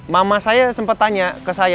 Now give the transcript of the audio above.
mama saya sempat tanya ke saya